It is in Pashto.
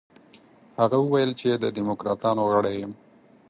هغه وویل چې د دموکراتانو غړی یم.